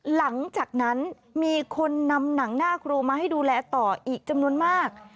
หลังจากนั้นมีคนนำหนังหน้าครูมาให้ดูแลต่ออีกจำนวนมาก